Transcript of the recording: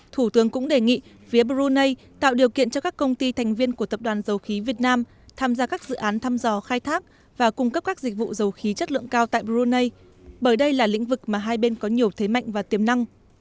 thủ tướng cũng đề nghị phía brunei tạo điều kiện cho các công ty thành viên của tập đoàn dầu khí việt nam tham gia các dự án thăm dò khai thác và cung cấp các dịch vụ dầu khí chất lượng cao tại brunei bởi đây là lĩnh vực mà hai bên có nhiều thế mạnh và tiềm năng